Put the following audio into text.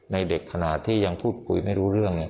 ในเด็กขนาดที่ยังพูดคุยไม่รู้เรื่องเนี่ย